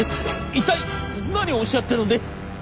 一体何をおっしゃってるんで？」。